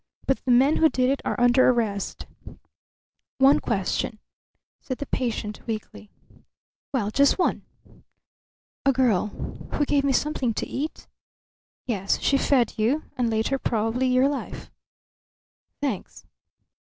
But the men who did it are under arrest." "One question," said the patient, weakly. "Well, just one." "A girl who gave me something to eat?" "Yes. She fed you, and later probably your life." "Thanks."